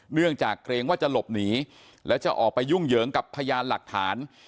เนื่องจากเกรงว่าจะหลบหนีและจะออกไปยุ่งเหยิงกับพยานหลักฐาน